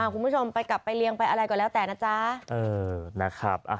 คุณผู้ชมกลับไปเรียงไปอะไรก็แล้วแต่นะจ๊ะ